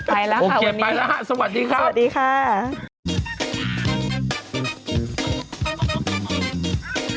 ไปแล้วค่ะวันนี้